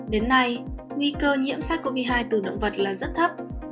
đến nay nguy cơ nhiễm sát covid hai từ động vật là rất thấp